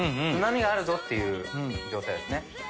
旨みがあるぞっていう状態ですね。